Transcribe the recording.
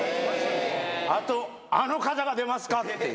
あと、あの方が出ますかっていう。